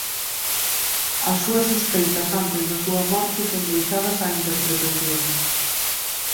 As súas sospeitas antes da súa morte son deixadas á interpretación.